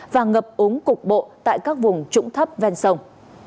và ngập úng cục bộ tại các vùng trũng thấp ven sông